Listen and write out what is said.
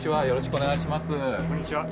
よろしくお願いします。